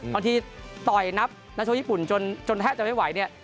ต่อที่ต่อยนับนักโทษญี่ปุ่นจนแทบจะไม่ไหวเนี่ย